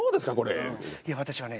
「いや私はね